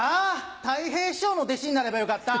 たい平師匠の弟子になればよかった。